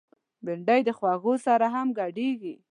بېنډۍ د خوږو سره هم ګډیږي